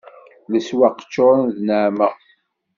Leswaq ččuren d nneɛma